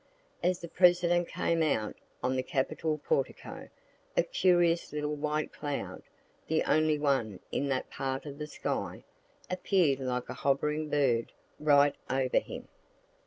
As the President came out on the capitol portico, a curious little white cloud, the only one in that part of the sky, appear'd like a hovering bird, right over him.